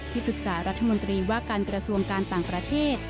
ปรึกษารัฐมนตรีว่าการกระทรวงการต่างประเทศ